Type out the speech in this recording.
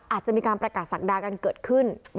อาจจะมีการประกาศศักดากันเกิดขึ้น